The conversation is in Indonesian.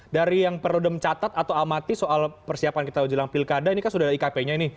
dari yang perlu demcatat atau amati soal persiapan kita jelang pilkada ini kan sudah ada ikp nya ini